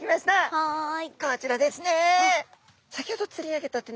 はい。